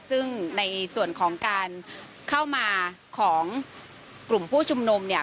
ซึ่งในส่วนของการเข้ามาของกลุ่มผู้ชุมนุมเนี่ย